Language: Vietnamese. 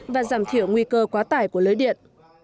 và giảm thiểu nguy cơ quá tải của lưới điện